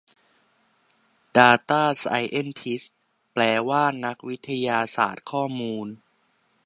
ดาต้าไซเอนทิสต์ แปลว่านักวิทยาศาสตร์ข้อมูล